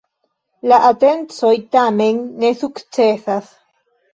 La atencoj tamen ne sukcesas.